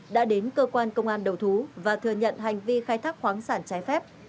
đã đến cơ quan công an đầu thú và thừa nhận hành vi khai thác khoáng sản trái phép